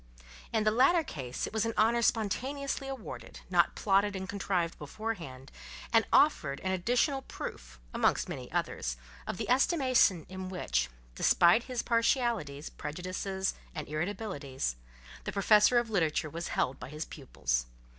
In the latter case it was an honour spontaneously awarded, not plotted and contrived beforehand, and offered an additional proof, amongst many others, of the estimation in which—despite his partialities, prejudices, and irritabilities—the professor of literature was held by his pupils.